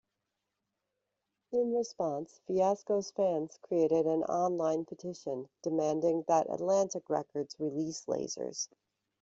In response, Fiasco's fans created an online petition demanding that Atlantic Records release "Lasers".